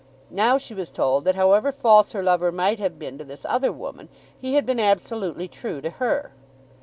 Now she was told that however false her lover might have been to this other woman he had been absolutely true to her.